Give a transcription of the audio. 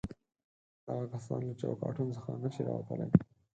دغه کسان له چوکاټونو څخه نه شي راوتلای.